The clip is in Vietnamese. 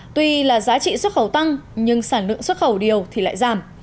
tuy là giá trị xuất khẩu tăng nhưng sản lượng xuất khẩu điều thì lại giảm